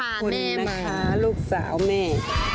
ขอบคุณนะคะลูกสาวแม่